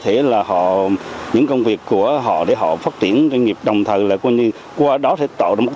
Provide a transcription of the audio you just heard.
thể là họ những công việc của họ để họ phát triển doanh nghiệp đồng thời là coi như qua đó sẽ tạo ra một